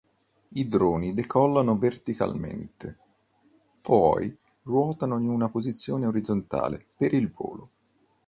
I droni decollano verticalmente, poi ruotano in una posizione orizzontale per il volo.